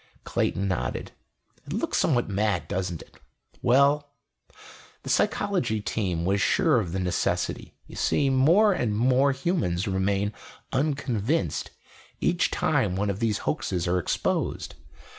Clayton nodded. "It looks somewhat mad, doesn't it? Well ... the Psychology Team was sure of the necessity. You see, more and more humans remain unconvinced each time one of these hoaxes are exposed.